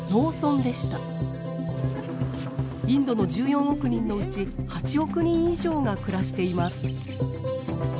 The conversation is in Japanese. インドの１４億人のうち８億人以上が暮らしています。